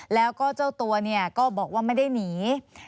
แล้วก็เจ้าตัวก็บอกว่าไม่ได้หนี